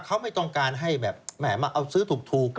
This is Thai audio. เขาไม่ต้องการให้แบบแหมมาเอาซื้อถูก